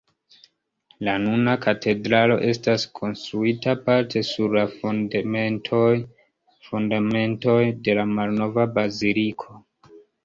La nuna katedralo estas konstruita parte sur la fundamentoj de la malnova baziliko.